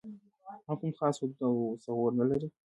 هغه کوم خاص حدود او ثغور نه لري.